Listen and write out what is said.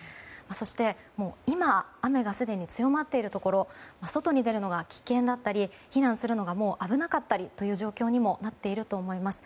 そして、今雨がすでに強まっているところ外に出るのが危険だったり避難するのが危なかったりという状況にもなっていると思います。